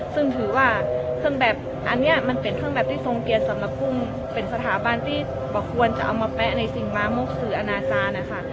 ซึ่งถือว่าเครื่องแบบอันนี้มันเป็นเครื่องแบบที่ทรงเกียรติสำหรับกุ้งเป็นสถาบันที่ก็ควรจะเอามาแปะในสิ่งมามุกคืออนาจารย์นะคะ